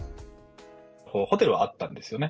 ホテルはあったんですよね。